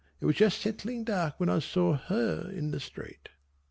It was just settling dark when I saw her in the street.